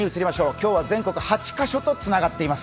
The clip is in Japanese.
今日は全国８カ所とつながっています。